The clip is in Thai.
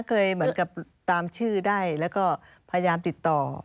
เคยเหมือนกับตามชื่อได้แล้วก็พยายามติดต่อ